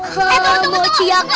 hei tunggu tunggu tunggu